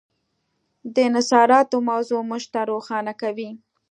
د انحصاراتو موضوع موږ ته روښانه کوي.